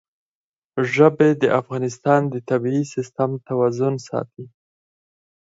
ژبې د افغانستان د طبعي سیسټم توازن ساتي.